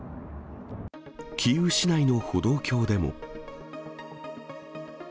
キーウ市内の歩道橋でも。